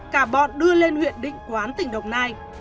cả bọn đưa lên huyện định quán tỉnh đồng nai